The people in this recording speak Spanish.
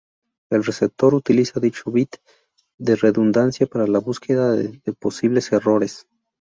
El receptor utiliza dicho bit de redundancia para la búsqueda de posibles errores.